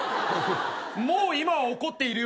もう今は怒っているよ。